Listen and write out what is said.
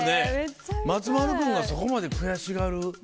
松丸君がそこまで悔しがる。